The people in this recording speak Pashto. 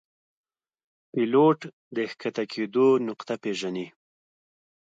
پیلوټ د ښکته کېدو نقطه پیژني.